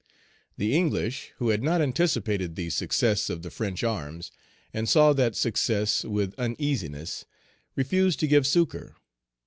The English, who had not anticipated the success of the French arms, and saw that success with uneasiness, refused to give succor.